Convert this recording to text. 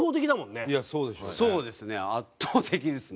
そうですね圧倒的ですね。